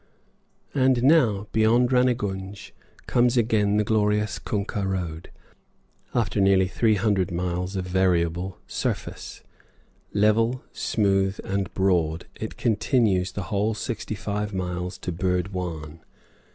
And now, beyond Rannegunj, comes again the glorious kunkah road, after nearly three hundred miles of variable surface. Level, smooth, and broad it continues the whole sixty five miles to Burd wan.